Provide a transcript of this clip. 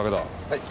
はい。